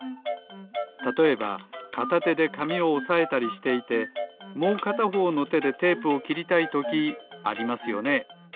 たとえばかたてでかみをおさえたりしていてもうかたほうのてでテープをきりたいときありますよね。